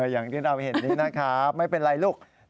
อย่างที่เราเห็นนี้นะครับไม่เป็นไรลูก